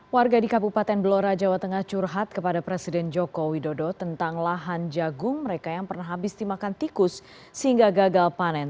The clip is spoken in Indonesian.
warga di kabupaten belora jawa tengah curhat kepada presiden joko widodo tentang lahan jagung mereka yang pernah habis dimakan tikus sehingga gagal panen